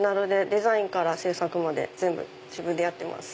デザインから制作まで全部自分でやってます。